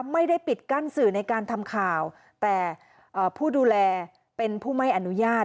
ไม่ได้ปิดกั้นสื่อในการทำข่าวแต่ผู้ดูแลเป็นผู้ไม่อนุญาต